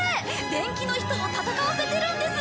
伝記の人を戦わせているんです。